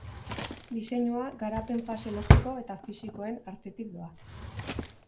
Diseinua, garapen-fase logiko eta fisikoen artetik doa.